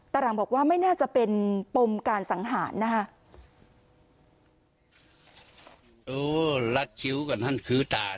แต่หลังบอกว่าไม่น่าจะเป็นปมการสังหารนะฮะ